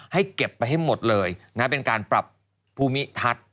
ให้เก็บไปให้หมดเลยเป็นการปรับภูมิทัศน์